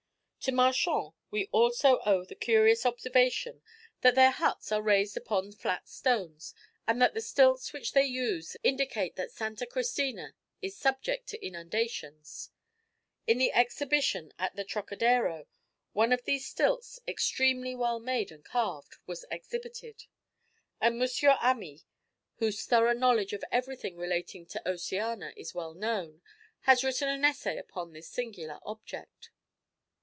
To Marchand we owe also the curious observation that their huts are raised upon flat stones, and that the stilts which they use indicate that Santa Cristina is subject to inundations. In the exhibition at the Trocadero, one of these stilts, extremely well made and carved, was exhibited; and M. Hamy, whose thorough knowledge of everything relating to Oceania is well known, has written an essay upon this singular object.